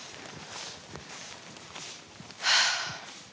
はあ。